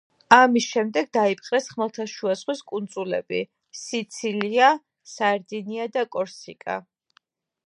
ამის შემდეგ დაიპყრეს ხმელთაშუა ზღვის კუნძულები: სიცილია, სარდინია და კორსიკა.